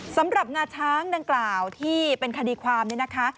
งาช้างดังกล่าวที่เป็นคดีความเนี่ยนะคะ